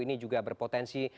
ini juga berpotensi